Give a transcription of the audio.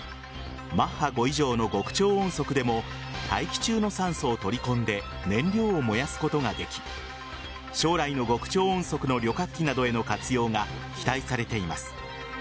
マッハ５以上の極超音速でも大気中の酸素を取り込んで燃料を燃やすことができ将来の極超音速の旅客機などへの活用が期待されています。